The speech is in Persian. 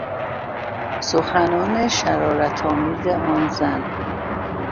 سخنان شرارتآمیز آن زن